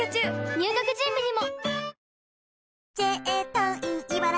入学準備にも！